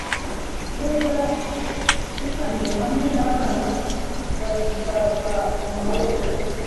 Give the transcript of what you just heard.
Niba udashikamye hamwe nabana, bazava mumaboko